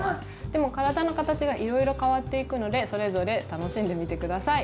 でも体の形がいろいろ変わっていくのでそれぞれ楽しんでみて下さい。